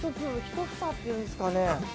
１粒、１房っていうんですかね。